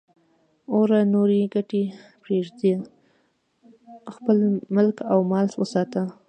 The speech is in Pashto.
اواره نورې ګټنې پرېږده، خپل ملک او مال وساته.